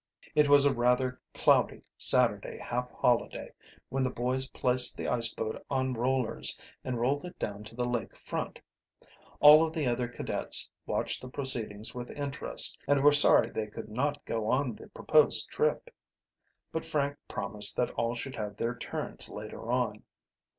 It was a rather cloudy Saturday half holiday when the boys placed the ice boat on rollers and rolled it down to the lake front. All of the other cadets watched the proceedings with interest, and were sorry they could not go on the proposed trip. But Frank promised that all should have their turns later on.